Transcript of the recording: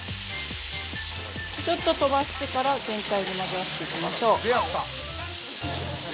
ちょっと飛ばしてから全体で混ぜ合わせていきましょう。